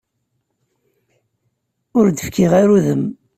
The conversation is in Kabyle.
Ur d-fkiɣ ara udem.